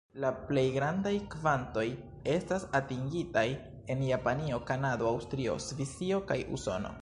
La plej grandaj kvantoj estas atingitaj en Japanio, Kanado, Aŭstrio, Svisio kaj Usono.